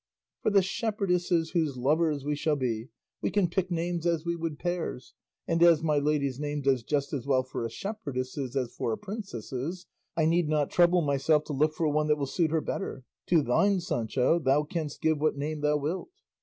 For the shepherdesses whose lovers we shall be, we can pick names as we would pears; and as my lady's name does just as well for a shepherdess's as for a princess's, I need not trouble myself to look for one that will suit her better; to thine, Sancho, thou canst give what name thou wilt."